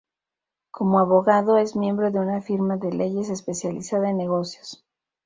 Como abogado es miembro de una firma de leyes especializada en negocios.